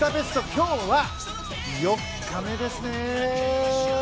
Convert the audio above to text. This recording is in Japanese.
今日は４日目ですね。